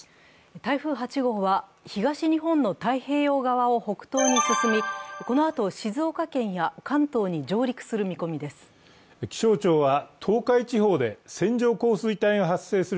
台風８号は、東日本の太平洋側を区北東に進み、このあと静岡県や関東に上陸する見込みです。